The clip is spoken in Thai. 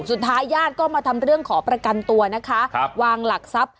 สุดท้ายญาติก็มาทำเรื่องขอประกันตัวนะคะวางหลักทรัพย์